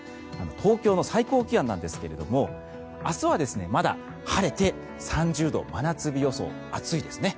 東京の最高気温なんですが明日はまだ晴れて３０度真夏日予想、暑いですね。